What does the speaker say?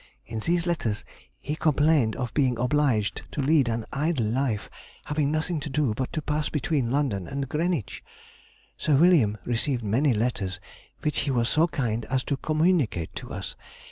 In these letters he complained of being obliged to lead an idle life, having nothing to do but to pass between London and Greenwich. Sir William received many letters which he was so kind as to communicate to us.